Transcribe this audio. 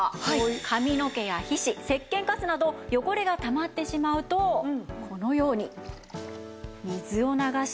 髪の毛や皮脂せっけんカスなど汚れがたまってしまうとこのように水を流しても。